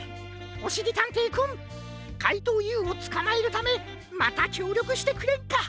おしりたんていくんかいとうＵをつかまえるためまたきょうりょくしてくれんか。